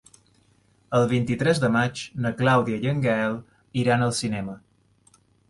El vint-i-tres de maig na Clàudia i en Gaël iran al cinema.